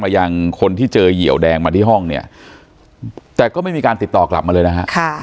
ยังคนที่เจอเหยียวแดงมาที่ห้องเนี่ยแต่ก็ไม่มีการติดต่อกลับมาเลยนะฮะ